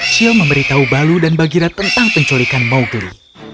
chill memberitahu baloo dan bagheera tentang penculikan mowgli